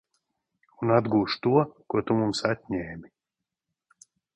Un atgūšu to, ko tu mums atņēmi!